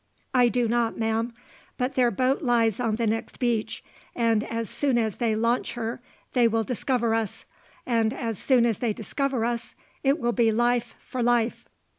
"I do not, ma'am. But their boat lies on the next beach, and as soon as they launch her they will discover us; and as soon as they discover us it will be life for life."